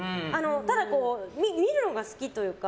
ただ、見るのが好きというか。